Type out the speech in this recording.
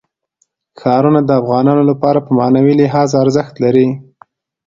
ښارونه د افغانانو لپاره په معنوي لحاظ ارزښت لري.